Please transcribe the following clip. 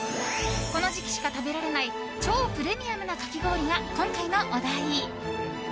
この時期しか食べられない超プレミアムなかき氷が今回のお題。